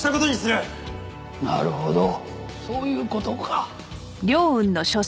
なるほどそういう事か。